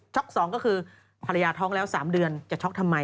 ๒ก็คือภรรยาท้องแล้ว๓เดือนจะช็อกทำไม